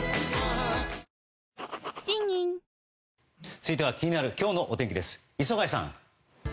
続いては気になる今日のお天気です、磯貝さん。